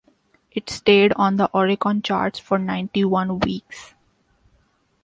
It stayed on the Oricon Charts for ninety-one weeks.